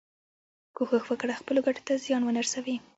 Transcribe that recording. کوښښ وکړه خپلو ګټو ته زیان ونه رسوې.